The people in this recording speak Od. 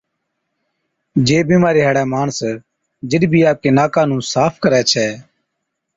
جي بِيمارِي هاڙَي ماڻس جِڏ بِي آپڪي ناڪان نُون صاف ڪرَي ڇَي،